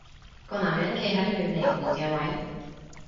個男人企喺遠離門嘅位